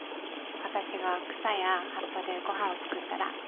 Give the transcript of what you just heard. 私が草や葉っぱでごはんを作ったら。